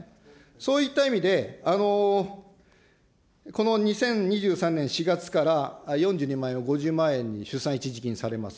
そういった意味で、この２０２３年４月から、４２万円を５０万円に出産一時金されます。